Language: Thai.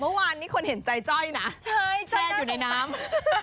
เมื่อวานนี้คนเห็นใจจ้อยนะแช่อยู่ในน้ำ